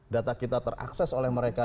data kita terakses oleh mereka